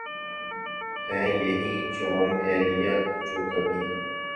ہیں یہی جونؔ ایلیا جو کبھی